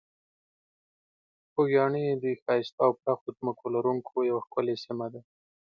خوږیاڼي د ښایسته او پراخو ځمکو لرونکې یوه ښکلې سیمه ده.